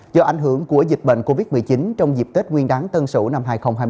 do ảnh hưởng của dịch bệnh covid một mươi chín trong dịp tết nguyên đáng tân sửu năm hai nghìn hai mươi